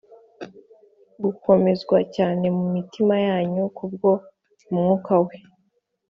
gukomezwa cyane mu mitima yanyu ku bwo Umwuka we;